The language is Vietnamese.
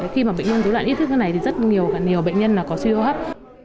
khi bệnh nhân rối loạn ý thức như thế này thì rất nhiều bệnh nhân có suy hô hấp